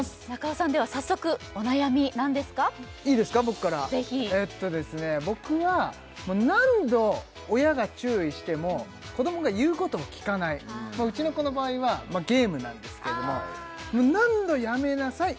僕からぜひ僕は何度親が注意しても子どもが言うことを聞かないうちの子の場合はゲームなんですけれども何度「やめなさい」